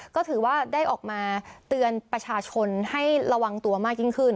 ก็ถือว่าได้ออกมาเตือนประชาชนให้ระวังตัวมากยิ่งขึ้น